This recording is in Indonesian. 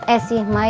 eh sih mai